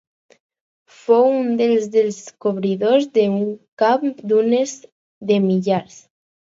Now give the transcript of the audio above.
Fou un dels descobridors del camp d'urnes de Millars.